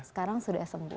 sekarang sudah sembuh